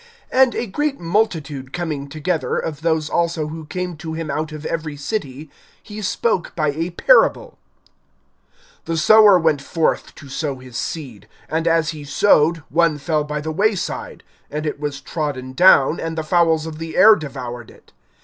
(4)And a great multitude coming together, of those also who came to him out of every city, he spoke by a parable: (5)The sower went forth to sow his seed. And as he sowed, one fell by the way side; and it was trodden down, and the fowls of the air devoured it.